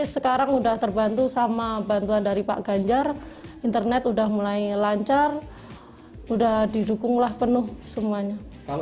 sekarang sudah terbantu sama bantuan dari pak ganjar internet udah mulai lancar sudah didukunglah penuh semuanya